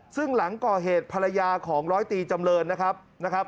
ซึ่งหลังก่อเหตุภรรยาของร้อยตีจำเรินนะครับนะครับ